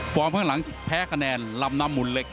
ฟรรมห้างหลังแพ้คะแนนลำนำมูลเหล็ก